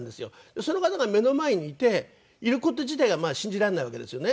その方が目の前にいている事自体がまあ信じられないわけですよね。